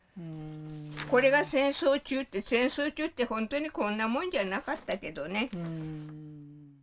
これが戦争中って戦争中ってほんとにこんなもんじゃなかったけどね。